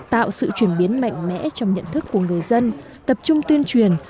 tạo sự chuyển biến mạnh mẽ trong nhận thức của người dân tập trung tuyên truyền